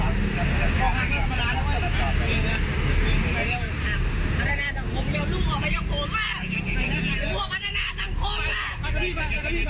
ไม่เอาผมนะทั่วพัฒนาสังคมนะ